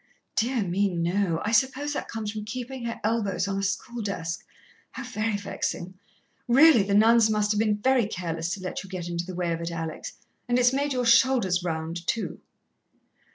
"Dear me, no! I suppose that comes from keepin' her elbows on a school desk how very vexin'. Really, the nuns must have been very careless to let you get into the way of it, Alex. And it's made your shoulders round, too."